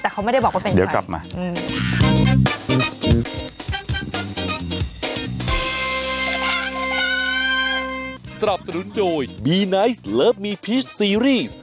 แต่เขาไม่ได้บอกว่าเป็นใคร